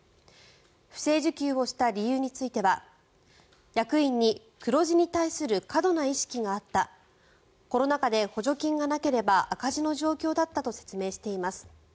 不正受給をした理由については役員に黒字に対する過度な意識があったコロナ禍で、補助金がなければ赤字の状況だったと説明しています。